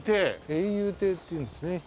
泳遊亭っていうんですね。